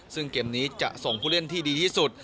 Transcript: ซึ่งเกมนี้จะส่งผู้เล่นที่ดีที่สุด